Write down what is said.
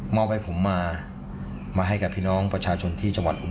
อบให้ผมมามาให้กับพี่น้องประชาชนที่จังหวัดอุบ